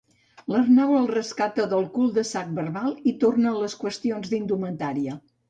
L'Arnau el rescata del cul de sac verbal i torna a les qüestions d'indumentària.